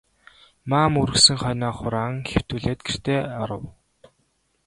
Маам үргэсэн хонио хураан хэвтүүлээд гэртээ оров.